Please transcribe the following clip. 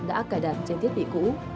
đã cài đặt trên thiết bị cũ